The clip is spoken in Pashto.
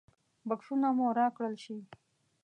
بکسونه مو راکړل شي.